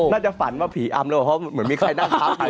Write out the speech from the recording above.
น่าจะฝันว่าผีอำเลยว่ะเพราะเหมือนมีใครนั่งพร้อมอยู่